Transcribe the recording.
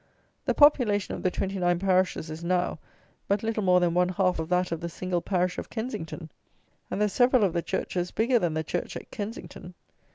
The population of the 29 parishes is now but little more than one half of that of the single parish of Kensington; and there are several of the churches bigger than the church at Kensington.